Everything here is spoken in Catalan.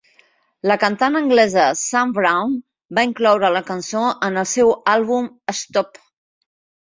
La cantant anglesa Sam Brown va incloure la cançó en el seu àlbum "Stop!"